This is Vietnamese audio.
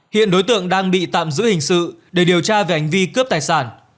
hiện đối tượng đang bị tạm giữ hình sự để điều tra về hành vi cướp tài sản